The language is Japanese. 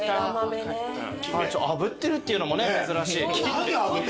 あぶってるっていうのもね珍しい。